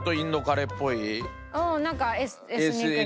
うんなんかエスニックになるし。